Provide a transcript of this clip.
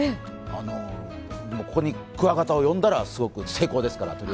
ここにクワガタを呼んだら成功ですから。